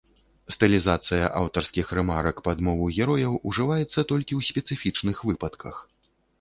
Стылізацыя аўтарскіх рэмарак пад мову герояў ужываецца толькі ў спецыфічных выпадках.